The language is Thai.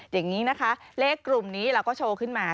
อย่างนี้นะคะเลขกลุ่มนี้เราก็โชว์ขึ้นมา